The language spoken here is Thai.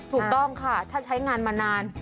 ถูกต้องค่ะถ้าใช้งานมานาน